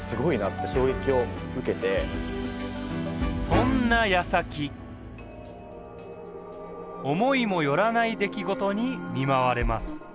そんなやさき思いもよらない出来事に見舞われます。